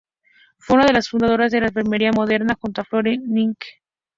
Fue una de las fundadoras de la enfermería moderna junto a Florence Nightingale.